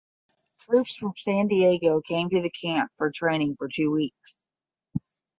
Troops from San Diego came to the camp for training for two weeks.